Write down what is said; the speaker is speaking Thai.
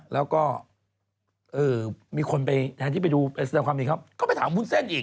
แล้วก็แทนที่ไปดูแบบนี้เขาไปถามวุ้นเส้นอีก